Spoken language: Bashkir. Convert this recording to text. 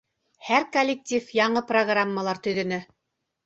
Һәр коллектив яңы программалар төҙөнө.